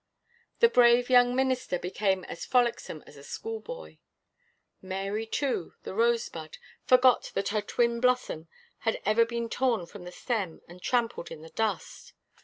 The brave young minister became as frolicsome as a schoolboy. Mary, too, the rosebud, forgot that her twin blossom had ever been torn from the stem and trampled in the dust.